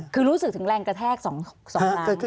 คือรู้สึกถึงแรงกระแทก๒ล้าน